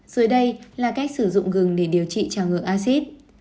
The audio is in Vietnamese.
dưới đây là cách sử dụng gừng để điều trị trào ngược acid